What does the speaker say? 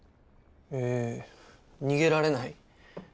へえ逃げられない？